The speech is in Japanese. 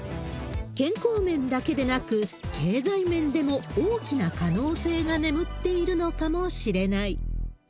健康面だけでなく、経済面でも大きな可能性が眠っているのかもしれない。